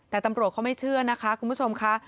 แต่ตำรวจเขาไม่เชื่อนะคะคุณผู้ชมค่ะ